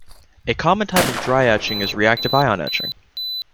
A common type of dry etching is reactive-ion etching.